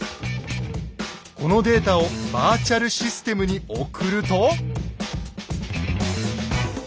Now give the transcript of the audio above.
このデータをバーチャル・システムに送ると。